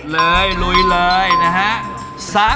เลยลุยเลยนะฮะ